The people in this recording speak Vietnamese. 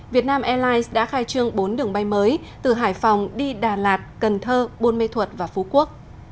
việt nam airlines đã khai trương bốn đường bay mới từ hải phòng đi đà lạt cần thơ bôn mê thuật và phú quốc